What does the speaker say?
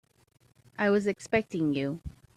I was expecting you.